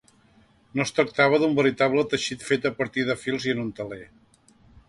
No es tractava d'un veritable teixit fet a partir de fils i en un teler.